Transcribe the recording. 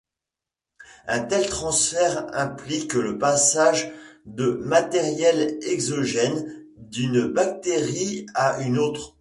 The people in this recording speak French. Un tel transfert implique le passage de matériel exogène d'une bactérie à une autre.